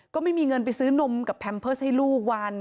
ก็ไม่มีเงินไปซื้อนมกับแพมเพิร์สให้ลูกวัน